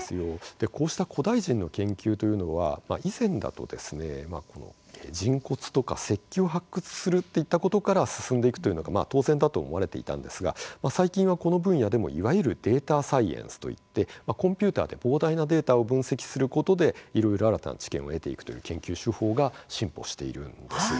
こうした古代人の研究というのは以前だと人骨とか石器を発掘するといったことから進んでいくというのが当然だと思われていたんですが最近は、この分野でもいわゆる「データサイエンス」といって、コンピューターで膨大なデータを分析することでいろいろ新たな知見を得ていくという研究手法が進歩しているんです。